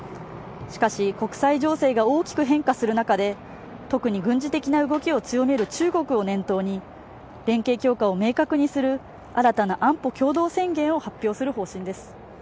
しかし国際情勢が大きく変化する中で特に軍事的な動きを強める中国を念頭に連携強化を明確にする新たな安保共同宣言を発表する方針です